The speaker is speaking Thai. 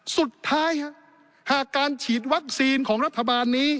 สุดท้ายหากการฉีดวัคซีนของรัฐบาลนี้